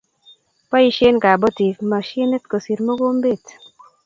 Boisie kabotik mashinit kosir mokombet,